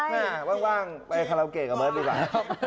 ห้างเตยฮาราวเกรกกับเมิ้ดดูก่อน